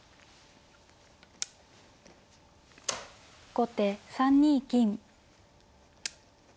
後手３二金。